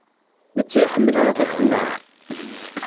Netta ur iḥemmel takemmart.